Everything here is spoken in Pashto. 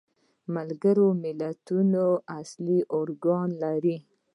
ملګري ملتونه اصلي ارکان لري.